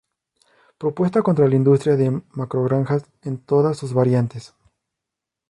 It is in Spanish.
propuesta contra la industria de macrogranjas en todas sus variantes